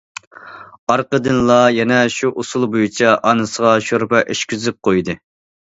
ئارقىدىنلا يەنە شۇ ئۇسۇل بويىچە ئانىسىغا شورپا ئىچكۈزۈپ قويدى.